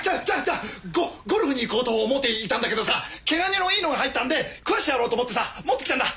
ゴゴルフに行こうと思っていたんだけどさ毛ガニのいいのが入ったんで食わしてやろうと思ってさ持ってきたんだ。